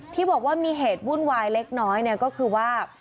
ที่บอกว่ามีเหตุวุ่นวายเล็กน้อยเนี่ยก็คือว่า